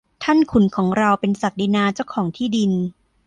ท่านขุนของเราเป็นศักดินาเจ้าของที่ดิน